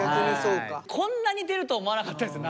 こんなに出ると思わなかったです